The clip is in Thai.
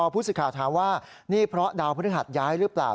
ผู้สื่อข่าวถามว่านี่เพราะดาวพฤหัสย้ายหรือเปล่า